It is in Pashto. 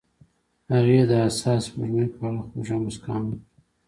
هغې د حساس سپوږمۍ په اړه خوږه موسکا هم وکړه.